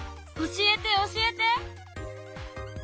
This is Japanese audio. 教えて教えて！